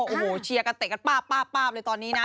โอ้โหเชียร์กันเตะกันป้าบเลยตอนนี้นะ